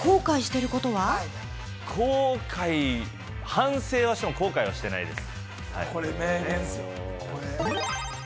反省はしても後悔はしてないです。